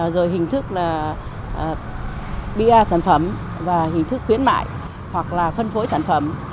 rồi hình thức là ba sản phẩm và hình thức khuyến mại hoặc là phân phối sản phẩm